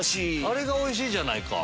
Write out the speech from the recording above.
あれがおいしいじゃないか。